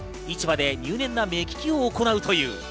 市場で入念な目利きを行うという。